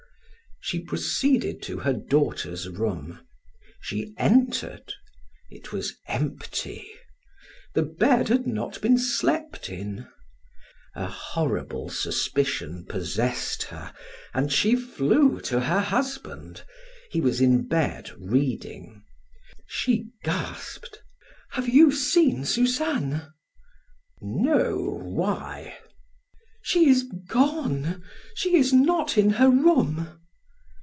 She proceeded to her daughter's room. She entered; it was empty; the bed had not been slept in. A horrible suspicion possessed her and she flew to her husband. He was in bed, reading. She gasped: "Have you seen Suzanne?" "No why?" "She is gone! she is not in her room."